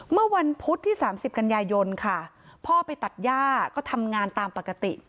เมื่อวันพุธที่๓๐กันยายนค่ะพ่อไปตัดย่าก็ทำงานตามปกติ